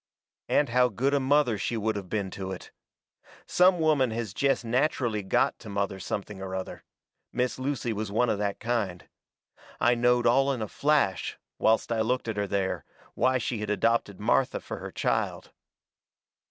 And how good a mother she would of been to it. Some women has jest natcherally GOT to mother something or other. Miss Lucy was one of that kind. I knowed all in a flash, whilst I looked at her there, why she had adopted Martha fur her child.